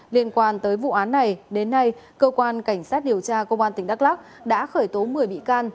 liên quan tới vụ án này đến nay cơ quan cảnh sát điều tra công an tỉnh đắk lắc đã khởi tố một mươi bị can